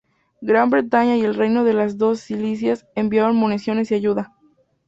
Gran Bretaña y el Reino de las Dos Sicilias enviaron municiones y ayuda.